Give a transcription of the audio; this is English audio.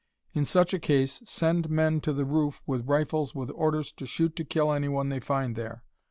In such a case, send men to the roof with rifles with orders to shoot to kill anyone they find there.